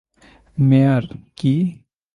মেয়ার - কি?